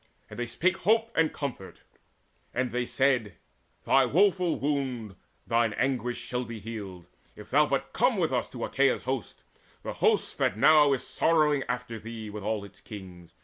And they spake hope and comfort; and they said: "Thy woeful wound, thine anguish, shall be healed, If thou but come with us to Achaea's host The host that now is sorrowing after thee With all its kings.